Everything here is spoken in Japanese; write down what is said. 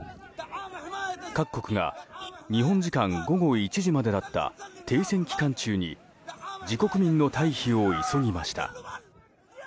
各国が日本時間午後１時までだった停戦期間中に自国民の退避を急ぎました。